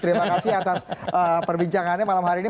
terima kasih atas perbincangannya malam hari ini